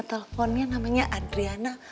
teleponnya namanya adriana